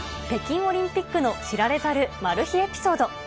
北京オリンピックの知られざるマル秘エピソード。